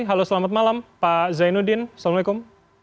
halo selamat malam pak zainuddin assalamualaikum